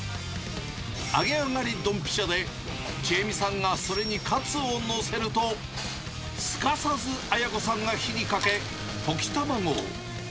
揚げ上がりどんぴしゃで、智恵美さんがそれにカツを載せると、すかさず紋子さんが火にかけ、溶き卵を。